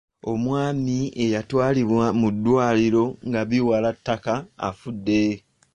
Omwami eyatwalibwa mu ddwaliro nga biwala ttaka afudde.